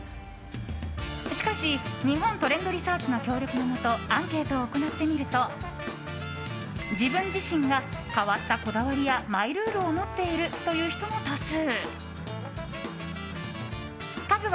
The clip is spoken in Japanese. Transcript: しかし、日本トレンドリサーチの協力のもとアンケートを行ってみると自分自身が変わったこだわりやマイルールを持っているという人も多数。